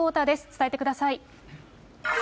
伝えてください。